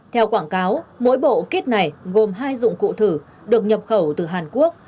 theo quảng cáo mỗi bộ kit này gồm hai dụng cụ thử được nhập khẩu từ hàn quốc